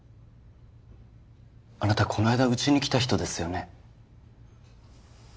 あなたこの間うちに来た人ですよね？